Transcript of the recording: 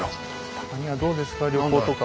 たまにはどうですか旅行とか。